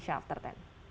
sampai jumpa lagi